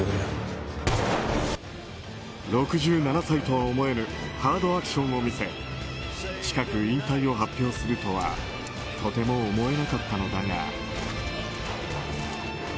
６７歳とは思えぬハードアクションを見せ近く引退を発表するとはとても思えなかったのだが。